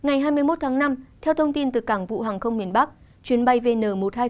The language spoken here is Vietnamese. ngày hai mươi một tháng năm theo thông tin từ cảng vụ hàng không miền bắc chuyến bay vn một nghìn hai trăm linh bảy